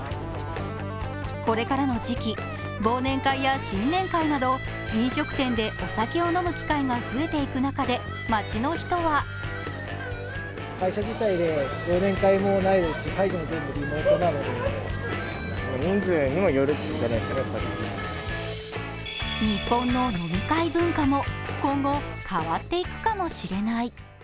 これからの時期、忘年会や新年会など飲食店でお酒を飲む機会が増えていく中で街の人は日本の飲み会文化も今後、変わっていくかもしれない。